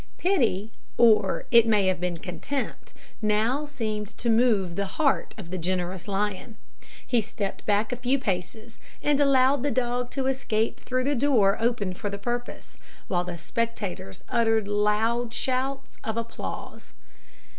Pity, or it may have been contempt, now seemed to move the heart of the generous lion. He stepped back a few paces, and allowed the dog to escape through the door opened for the purpose, while the spectators uttered loud shouts of applause.